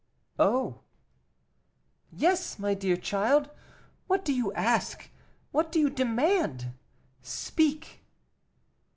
"Oh!" "Yes, my dear child. What do you ask? what do you demand? Speak."